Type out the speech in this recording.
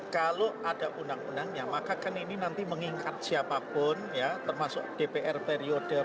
kalau ada undang undangnya maka kan ini nanti mengingat siapapun ya termasuk dpr periode